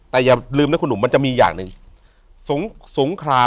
แต่อย่าลืมนะคุณหนุ่มมันจะมีอย่างหนึ่งสงคราม